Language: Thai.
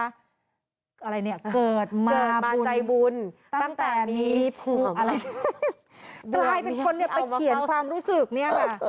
อะไรเนี่ยเกิดมาใจบุญตั้งแต่มีผูกอะไรกลายเป็นคนเนี่ยไปเขียนความรู้สึกเนี่ยค่ะ